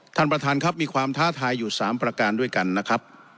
ท่านประธานครับมีความท้าทายอยู่๓ประการด้วยกันนะครับ